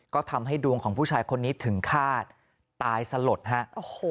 ก็ทำให้ดวงของผู้ชายคนนี้ถึงฆาตตายสลดฮะโอ้โห